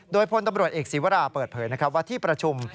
โดยพนตำรวจเอกสิวราบริเวิร์ดเปิดเผยว่าที่ประชุม